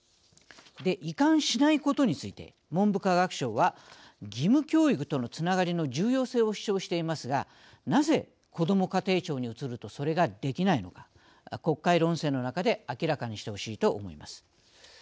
移管しないことについて文部科学省は、義務教育とのつながりの重要性を主張していますがなぜ、こども家庭庁に移るとそれができないのか国会論戦の中で明らかにしてほしいと思います。